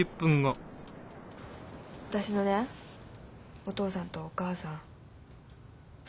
私のねお父さんとお母さん。